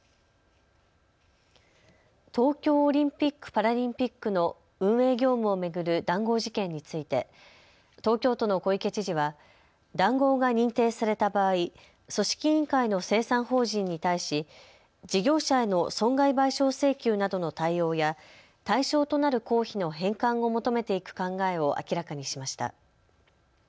東京オリンピック・パラリンピックの運営業務を巡る談合事件について東京都の小池知事は談合が認定された場合、組織委員会の清算法人に対し、事業者への損害賠償請求などの対応や対象となる公費の返還を求めていく考えを明らかにしました。